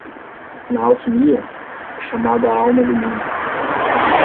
Na alquimia? é chamado a alma do mundo.